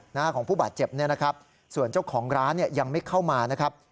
หน้าของผู้บาดเจ็บเนี่ยนะครับส่วนเจ้าของร้านเนี่ยยังไม่เข้ามานะครับ